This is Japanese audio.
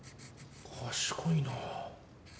賢いなぁ。